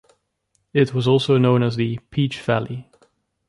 It was also known as the "Peach Valley".